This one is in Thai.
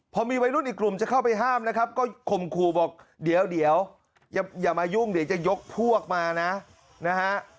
พอมีวัยรุ่นอีกกลุ่มจะเข้าไปห้ามนะครับก็ข่มขู่บอกเดี๋ยวอย่ามายุ่งเดี๋ยวจะยกพวกมานะนะฮะ